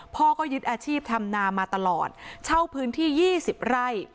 พ่อก็ยึดอาชีพทำนามาตลอดเช่าพื้นที่๒๐ไร่